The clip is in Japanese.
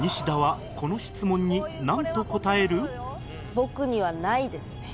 「僕にはないですね」。